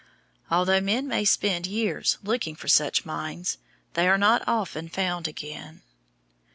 Although men may spend years looking for such mines, they are not often found again.